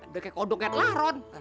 deket kodoknya telah ron